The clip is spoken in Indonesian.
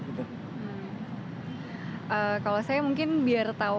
kalau saya mungkin biar tahu